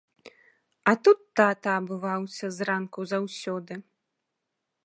А тут тата абуваўся зранку заўсёды.